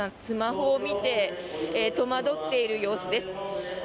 スマホを見て戸惑っている様子です。